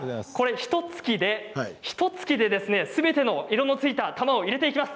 ひとつきですべての色の突いた球を入れていきます。